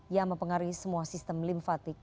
yang mempengaruhi semua sistem lympfatik